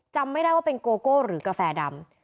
จำไม่ได้ว่าเป็นโกโก้หรือกาแฟดำ